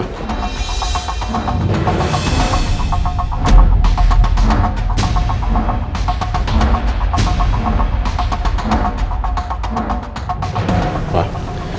ini mertawa saya